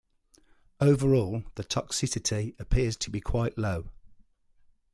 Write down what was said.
Overall, the toxicity appears to be quite low.